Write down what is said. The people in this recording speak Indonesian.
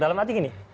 dalam arti gini